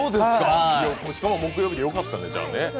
しかも、木曜日でよかったね。